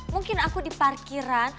mungkin aku diparkirin